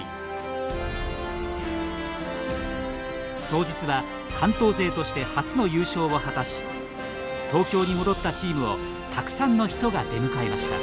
早実は関東勢として初の優勝を果たし東京に戻ったチームをたくさんの人が出迎えました。